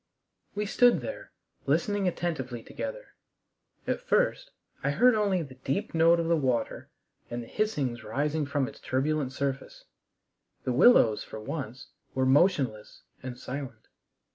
We stood there, listening attentively together. At first I heard only the deep note of the water and the hissings rising from its turbulent surface. The willows, for once, were motionless and silent.